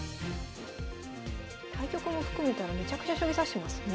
対局も含めたらめちゃくちゃ将棋指してますね。